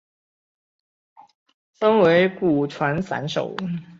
分为古传散手。